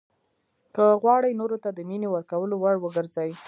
که غواړئ نورو ته د مینې ورکولو وړ وګرځئ.